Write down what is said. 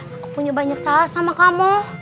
aku punya banyak salah sama kamu